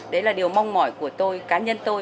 đấy là điều mong mỏi của tôi cá nhân tôi